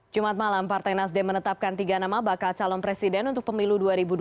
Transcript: jumat malam partai nasdem menetapkan tiga nama bakal calon presiden untuk pemilu dua ribu dua puluh